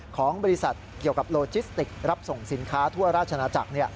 ของบริษัทเกี่ยวกับโลจิสติกรับส่งสินค้าทั่วราชนาจักร